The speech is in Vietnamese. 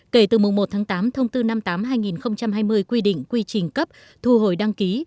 kể từ mùng một tháng tám thông tư năm mươi tám hai nghìn hai mươi quy định quy trình cấp thu hồi đăng ký